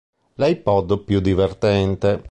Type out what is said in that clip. L'iPod più divertente.